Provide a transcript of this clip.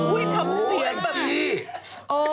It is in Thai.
อุ๊ยทำเสียงแบบ